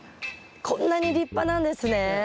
こんなに立派なんですね。